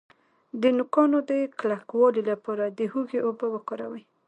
د نوکانو د کلکوالي لپاره د هوږې اوبه وکاروئ